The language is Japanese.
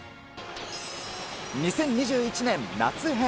２０２１年夏編。